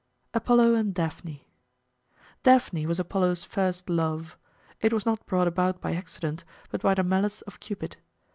APOLLO AND DAPHNE Daphne was Apollo's first love. It was not brought about by accident, but by the malice of Cupid.